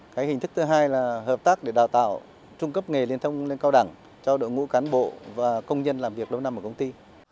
cái hình thức thứ hai là hợp tác để đào tạo trung cấp nghề liên thông lên cao đẳng cho đội ngũ cán bộ và công nhân làm việc lâu năm ở công ty